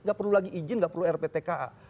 gak perlu lagi izin gak perlu rptka